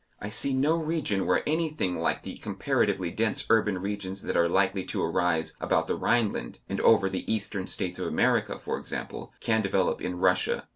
I see no region where anything like the comparatively dense urban regions that are likely to arise about the Rhineland and over the eastern states of America, for example, can develop in Russia.